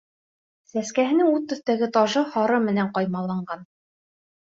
Сәскәһенең ут төҫтәге тажы һары менән ҡаймаланған.